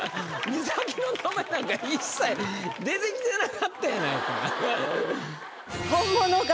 岬の名前なんか一切出てきてなかったやないか。